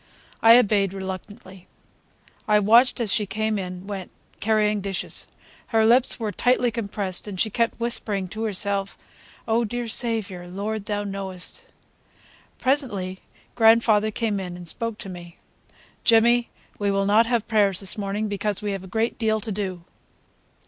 I obeyed reluctantly. I watched her as she came and went, carrying dishes. Her lips were tightly compressed and she kept whispering to herself: "Oh, dear Saviour!" "Lord, Thou knowest!" Presently grandfather came in and spoke to me: "Jimmy, we will not have prayers this morning, because we have a great deal to do.